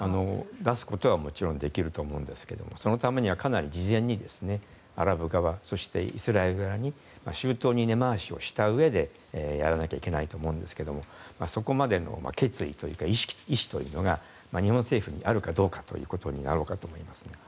出すことはもちろんできると思いますがそのためにはかなり事前にアラブ側、そしてイスラエル側に周到に根回ししたうえでやらなければいけないと思うんですけどもそこまでの決意というか意思というのが日本政府にあるかどうかということになろうかと思います。